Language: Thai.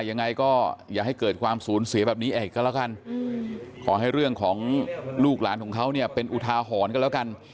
ยังไงก็อย่าให้เกิดความสูญเสียแบบนี้อีกก็แล้วกันขอให้เรื่องของลูกหลานของเขาเนี่ยเป็นอุทาหรณ์กันแล้วกัน